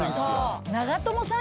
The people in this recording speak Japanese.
長友さん